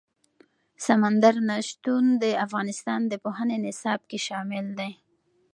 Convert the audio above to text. سمندر نه شتون د افغانستان د پوهنې نصاب کې شامل دي.